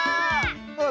あ！